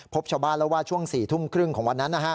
พบชาวบ้านแล้วว่าช่วง๔ทุ่มครึ่งของวันนั้น